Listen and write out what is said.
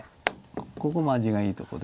ここも味がいいとこで。